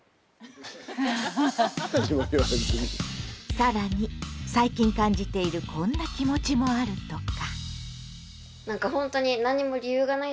更に最近感じているこんな気持ちもあるとか。